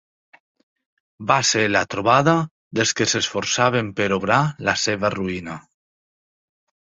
Va ser la trobada dels que s'esforçaven per obrar la seva ruïna?